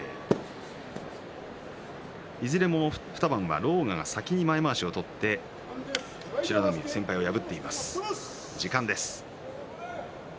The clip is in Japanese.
いずれも２番は狼雅が先に前まわしを取って美ノ海、先輩を破っています。